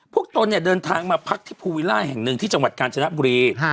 ตนเนี่ยเดินทางมาพักที่ภูวิล่าแห่งหนึ่งที่จังหวัดกาญจนบุรี